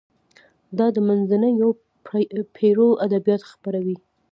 دا د منځنیو پیړیو ادبیات خپروي.